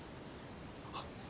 あっ！